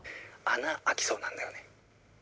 穴あきそうなんだよね。